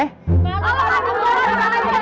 tolong pakde bubar aja